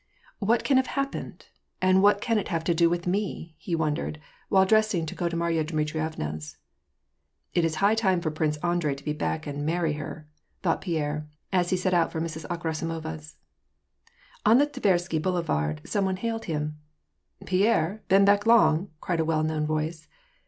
" What can have happened ? and what can it have to do with me ?" he wondered, while dressing to go to Marya Dmitrievna's. " It's high time for Prince Andrei to be back and marry her," thoaght Pierre, as he set out for Mrs. Akhrasimova's. On the Tversky Boulevard some one hailed him. " Pierre, been back long ?" cried a well known voice.